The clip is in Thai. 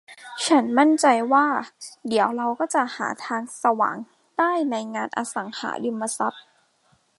ฉันมั่นใจว่า เดี๋ยวเราก็จะหาทางสว่างได้ในงานอสังหาริมทรัพย์